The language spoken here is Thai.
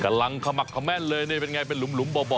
กำลังขมักคอแม่นเลยเนี่ยเป็นยังไงลุมบ่อ